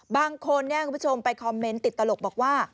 คุณผู้ชมไปคอมเมนต์ติดตลกบอกว่า